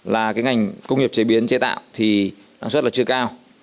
là cái ngành công nghiệp chế biến chế tạo thì năng suất là chưa cao